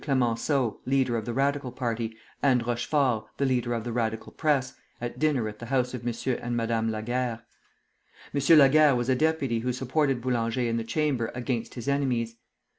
Clemenceau, leader of the Radical party, and Rochefort, the leader of the Radical press, at dinner at the house of M. and Madame Laguerre. M. Laguerre was a deputy who supported Boulanger in the Chamber against his enemies.